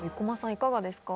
いかがですか？